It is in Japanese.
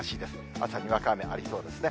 朝、にわか雨ありそうですね。